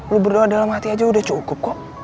lu berdoa dalam hati aja udah cukup kok